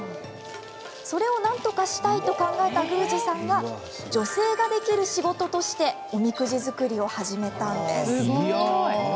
それをなんとかしたいと考えた宮司さんが女性ができる仕事としておみくじ作りを始めたんです。